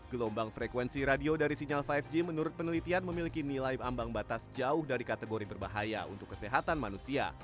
gelombang frekuensi radio dari sinyal lima g menurut penelitian memiliki nilai ambang batas jauh dari kategori berbahaya untuk kesehatan manusia